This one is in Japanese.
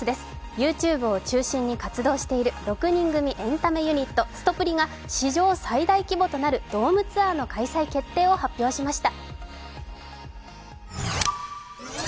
ＹｏｕＴｕｂｅを中心に活動している６人組エンタメユニット・すとぷりが史上最大規模となるドームツアーの開催決定を発表しました。